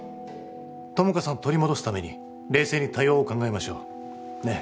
友果さんを取り戻すために冷静に対応を考えましょうねえ